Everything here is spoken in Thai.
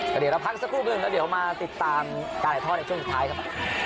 เดี๋ยวเราพักสักครู่หนึ่งแล้วเดี๋ยวมาติดตามการถ่ายทอดในช่วงสุดท้ายครับ